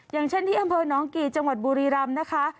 อย่างเช่นที่อำเภอน้องกี่จังหวัดบุรีรำนะคะ